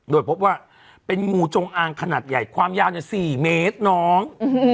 โดยพบว่าเป็นงูจงอางขนาดใหญ่ความยาว๔เมตรน้อง